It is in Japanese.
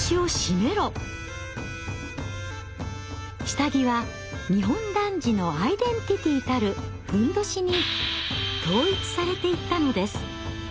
下着は日本男児のアイデンティティーたる褌に統一されていったのです。